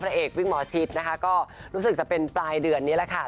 เอกวิ่งหมอชิดนะคะก็รู้สึกจะเป็นปลายเดือนนี้แหละค่ะ